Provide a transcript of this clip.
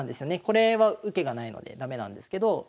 これは受けがないので駄目なんですけど。